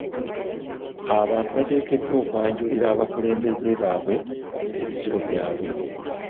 Abantu bateekeddwa okwanjulira abakulembeze baabwe ebizibu byabwe.